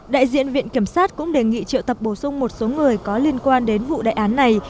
đại diện viện kiểm sát cũng đề nghị triệu tập bổ sung một số người có liên quan đến vụ đại án này